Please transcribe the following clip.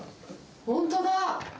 本当だ。